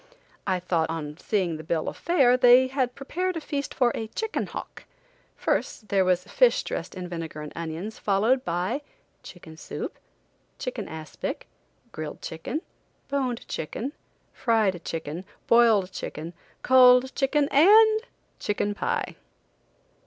I thought, on seeing the bill of fare, they had prepared a feast for a chicken hawk. First, there was fish dressed in vinegar and onions, followed by chicken soup, chicken aspic, grilled chicken, boned chicken, fried chicken, boiled chicken, cold chicken and chicken pie!